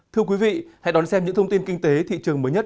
thưa quý vị hãy đón xem những thông tin kinh tế thị trường mới nhất